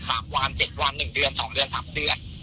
สามวันเจ็ดวันหนึ่งเดือนสองเดือนสามเดือน